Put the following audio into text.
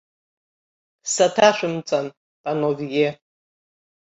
Саҭашәымҵан, панове!